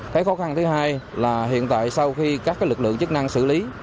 thấy khó khăn thứ hai là hiện tại sau khi các lực lượng chức năng xử lý